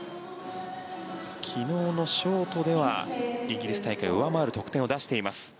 昨日のショートではイギリス大会を上回る得点を出しています。